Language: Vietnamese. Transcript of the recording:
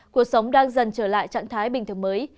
cuộc sống đang dần trở lại trạng thái bình thường mới